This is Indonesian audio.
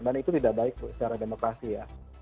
dan itu tidak baik secara demokrasi ya